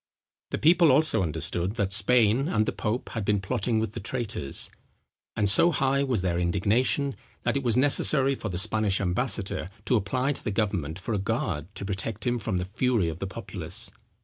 The people also understood that Spain and the pope had been plotting with the traitors; and so high was their indignation, that it was necessary for the Spanish ambassador to apply to the government for a guard to protect him from the fury of the populace.